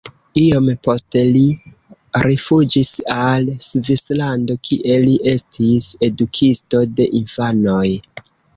Iom poste li rifuĝis al Svislando, kie li estis edukisto de infanoj.